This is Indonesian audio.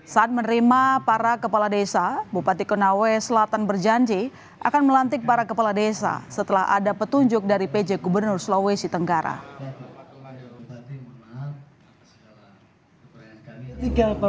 saat menerima para kepala desa terpilih menyebut pelantikan seharusnya dijadwalkan pada tiga puluh april dua ribu dua puluh empat